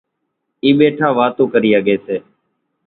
اِي ٻيٺان واتون ڪري ۿڳي سي۔